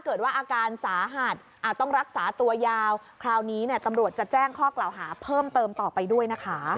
คราวนี้ตำรวจจะแจ้งข้อกล่าวหาเพิ่มเติมต่อไปด้วยนะคะ